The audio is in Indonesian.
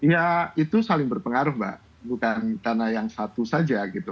ya itu saling berpengaruh mbak bukan karena yang satu saja gitu